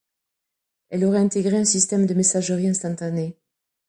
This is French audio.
Elle aurait intégré un système de messagerie instantanée.